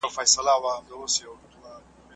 د نظرونو توپیر د پرمختګ لامل کیدی شي.